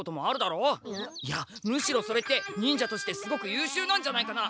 いやむしろそれって忍者としてすごくゆうしゅうなんじゃないかな。